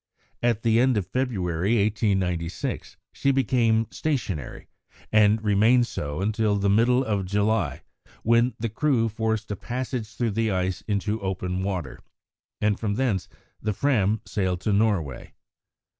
At the end of February 1896 she became stationary, and remained so until the middle of July, when the crew forced a passage through the ice into open water, and from thence the Fram sailed to Norway.